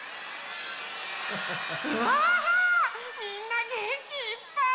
うわみんなげんきいっぱい！